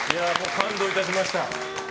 感動いたしました。